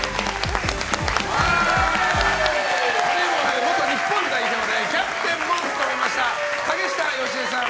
バレーボール元日本代表でキャプテンも務めました竹下佳江さん